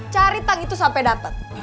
cari tang itu sampai dapat